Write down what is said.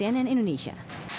eisa onisti cnn indonesia